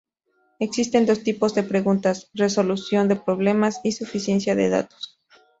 Existen dos tipos de preguntas: resolución de problemas y suficiencia de datos.